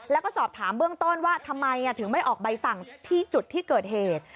แล้วก็สอบถามเบื้องต้นว่าทำไมถึงไม่ออกใบสั่งที่จุดที่เกิดเหตุ